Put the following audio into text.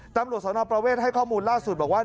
ตำรวจสนประเวทให้ข้อมูลล่าสุดบอกว่า